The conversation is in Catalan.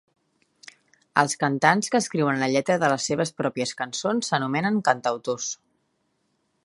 Els cantants que escriuen la lletra de les seves pròpies cançons s'anomenen cantautors.